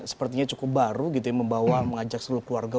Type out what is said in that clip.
sepertinya cukup baru gitu ya membawa mengajak seluruh keluarga